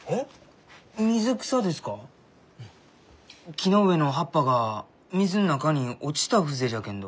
木の上の葉っぱが水の中に落ちた風情じゃけんど。